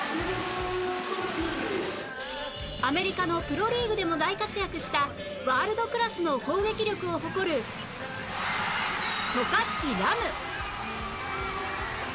アメリカのプロリーグでも大活躍したワールドクラスの攻撃力を誇る渡嘉敷来夢